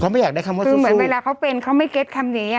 เขาไม่อยากได้คำว่าสู้เหมือนเวลาเขาเป็นเขาไม่เก็ตคำนี้อ่ะ